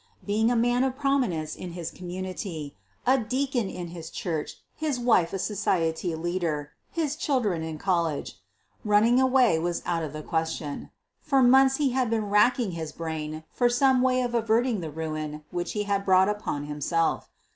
Being a man of prominence in his community — a deacon in the church, his wife a society leader, his children in college — running away was out of the question. For months he had been racking his brain for some way of averting the ruin which he had brought upon himself.